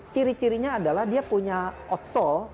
ciri cirinya adalah dia punya outsol